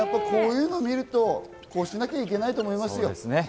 こういうの見ると、こうしなきゃいけないなと思います。